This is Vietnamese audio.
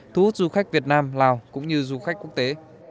thu hút du khách việt nam lào cũng như du khách quốc tế